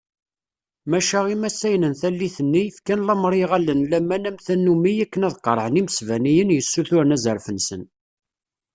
Maca imasayen n tallit-nni, fkan lamer i yiɣallen n laman am tannumi akken ad qerɛen imesbaniyen yessuturen azref-nsen.